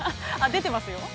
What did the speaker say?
◆出てますよ。